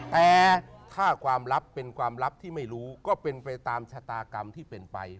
แต่ถ้าความลับเป็นความลับที่ไม่รู้ก็เป็นไปตามชะตากรรมที่เป็นไป